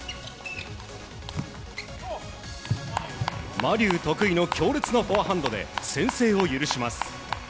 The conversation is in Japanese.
マ・リュウの強烈なフォアハンドで先制を許します。